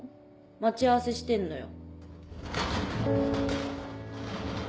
待ち合わせしてんのよ。